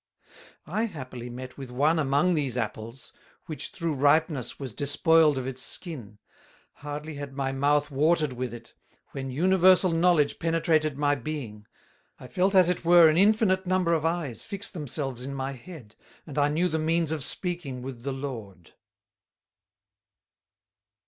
"I happily met with one among these apples, which through ripeness was despoiled of its skin; hardly had my mouth watered with it, when Universal Knowledge penetrated my being, I felt as it were an infinite number of Eyes fix themselves in my head, and I knew the means of speaking with the Lord.